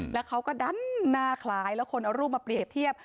แล้วเขาก็ดันหน้าคล้ายแล้วคนเอารูปมาเปรียบเทียบ